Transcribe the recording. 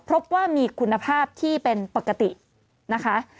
พบว่ามีคุณภาพที่เป็นปกตินะคะ